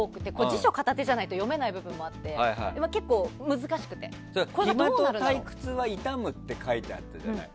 辞書片手じゃないと読めない部分もあって暇と退屈は痛むって書いてあったじゃない。